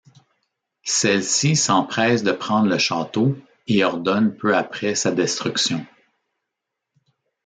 Celle-ci s'empresse de prendre le château et ordonne peu après sa destruction.